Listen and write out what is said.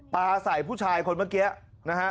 ปลาใส่ผู้ชายคนเมื่อกี้นะฮะ